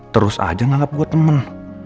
terus aja nganggep gua temen